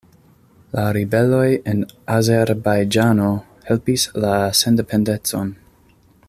La ribeloj en Azerbajĝano helpis la sendependecon.